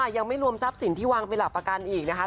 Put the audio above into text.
ยังไม่รวมทรัพย์สินที่วางเป็นหลักประกันอีกนะคะ